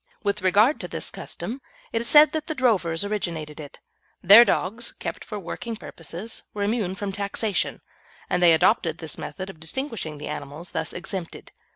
With regard to this custom, it is said that the drovers originated it. Their dogs, kept for working purposes, were immune from taxation, and they adopted this method of distinguishing the animals thus exempted.